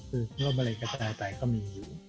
คือโรคมะเร็งกระจายไปก็มีอยู่